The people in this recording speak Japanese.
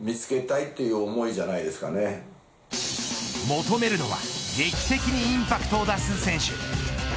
求めるのは劇的にインパクトを出す選手。